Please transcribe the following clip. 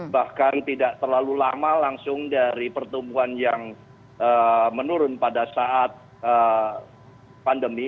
bahkan tidak terlalu lama langsung dari pertumbuhan yang menurun pada saat pandemi